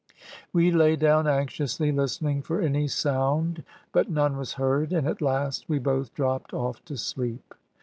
"We lay down anxiously listening for any sound, but none was heard, and at last we both dropped off to sleep.